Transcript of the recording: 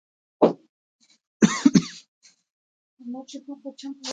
He is a supporter of the international development charity Mary's meals.